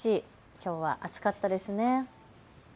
きょうは暑かったですね。